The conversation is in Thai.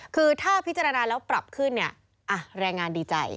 คือถ้าพิจารณาแล้วปรับขึ้นเนี่ยแรงงานดีใจ